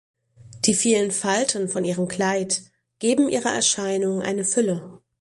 Die vielen Falten von ihrem Kleid geben ihrer Erscheinung eine Fülle.